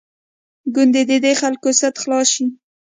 کوندي د دې خلکو سد خلاص شي.